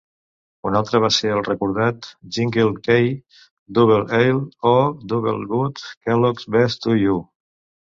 Un altre va ser el recordat jingle "K E doble-L, O double-good, Kellogg's best to you!"